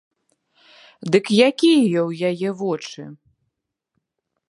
Дык якія ў яе вочы?